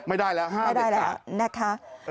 ไม่ได้แล้วห้ามไม่ได้แล้วนะคะ